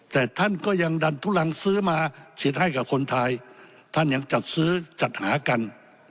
แต่ท่านก็ยังดันทุลังซื้อมาฉีดให้กับคนไทยท่านยังจัดซื้อจัดหากัน